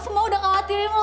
semua udah khawatirin lu